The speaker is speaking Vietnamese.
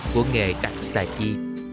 của nghề đặt xà chi